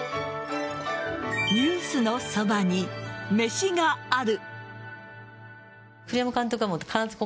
「ニュースのそばに、めしがある。」